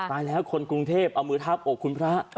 ตายแล้วคนกรุงเทพเอามือทาบอกคุณพระ